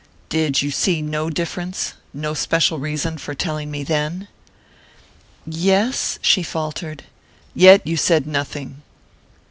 "Did you see no difference no special reason for telling me then?" "Yes " she faltered. "Yet you said nothing."